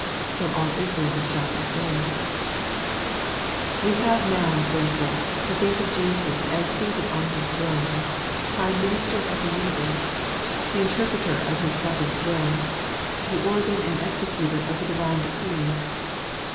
So all Israel shall be saved ! We have now, therefore, to think of Jesus as seated on his throne, Prime Minister of the universe, the Interpreter of his Father's will, the Organ and Executor of the Divine decrees.